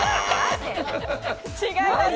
違います。